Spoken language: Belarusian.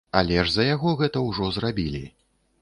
Але ж за яго гэта ўжо зрабілі.